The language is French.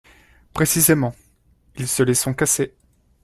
Précisément, ils se les sont cassées